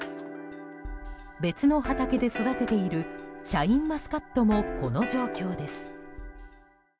別の畑で育てているシャインマスカットもこの状況です。